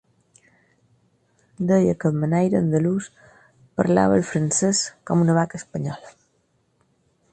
Deia que el manaire andalús "parlava el francès com una vaca espanyola".